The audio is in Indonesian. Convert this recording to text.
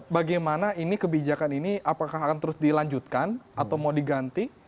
bagaimana ini kebijakan ini apakah akan terus dilanjutkan atau mau diganti